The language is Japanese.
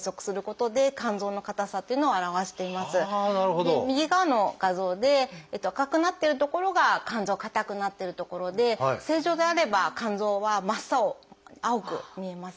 で右側の画像で赤くなってる所が肝臓硬くなっている所で正常であれば肝臓は真っ青青く見えます。